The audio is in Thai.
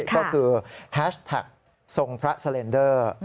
ก็คือแฮชแท็กทรงพระสเลนเดอร์